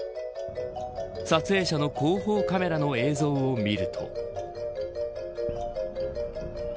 撮影者の後方カメラの映像を見ると。